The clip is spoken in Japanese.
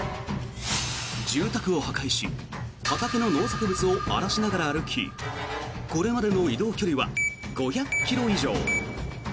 住宅を破壊し畑の農作物を荒らしながら歩きこれまでの移動距離は５００ｋｍ以上。